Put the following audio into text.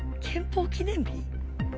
憲法記念日？